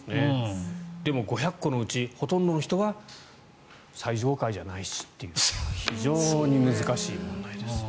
でも、５００戸のうちほとんどの人は最上階じゃないしという非常に難しい問題です。